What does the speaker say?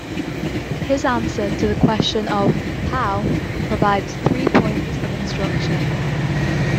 His answer to the question of "how" provides three points of instruction.